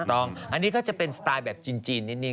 ถูกต้องอันนี้ก็จะเป็นสไตล์แบบจีนนิดนึ